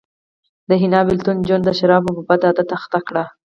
د حنا بېلتون جون د شرابو په بد عادت اخته کړ